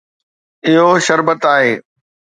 اهو شربت آهي